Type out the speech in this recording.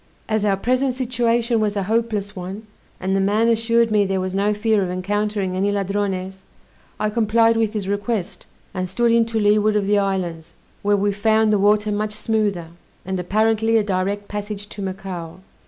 As our present situation was a hopeless one, and the man assured me there was no fear of encountering any Ladrones, I complied with his request, and stood in to leeward of the islands, where we found the water much smoother, and apparently a direct passage to Macao.